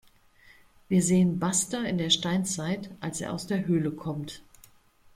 Wir sehen Buster in der Steinzeit, als er aus der Höhle kommt.